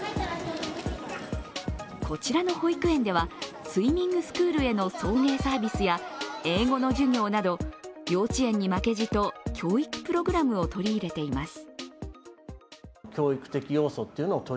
こちらの保育園ではスイミングスクールへの送迎サービスや英語の授業など、幼稚園に負けじと教育プログラムを取り入れています。